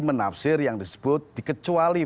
menafsir yang disebut dikecuali